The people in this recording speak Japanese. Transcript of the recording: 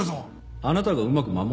あなたがうまく守れ。